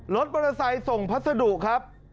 รถมอเตอร์ไซค์ส่งพัสดุครับ